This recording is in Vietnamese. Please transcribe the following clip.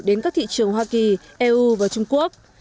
đến các thị trường hoa kỳ eu và trung quốc